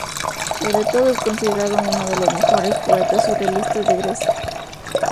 Sobre todo es considerado uno de los mejores poetas surrealistas de Grecia.